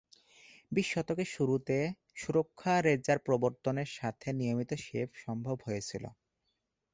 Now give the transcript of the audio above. বিশ শতকের শুরুতে সুরক্ষা রেজার প্রবর্তনের সাথে নিয়মিত শেভ করা সম্ভব হয়েছিল।